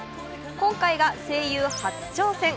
今回が声優初挑戦。